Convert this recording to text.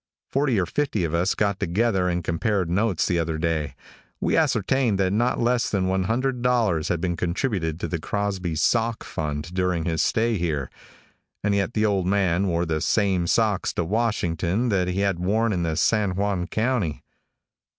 Forty or fifty of us got together and compared notes the other day. We ascertained that not less than $100 had been contributed to the Crosby Sock Fund during his stay here, and yet the old man wore the same socks to Washington that he had worn in the San Juan country.